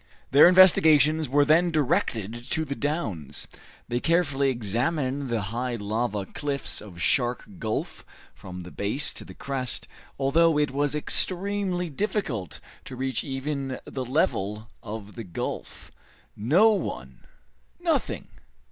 Their investigations were then directed to the downs. They carefully examined the high lava cliffs of Shark Gulf from the base to the crest, although it was extremely difficult to reach even the level of the gulf. No one! nothing!